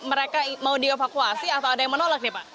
mereka mau dievakuasi atau ada yang menolak nih pak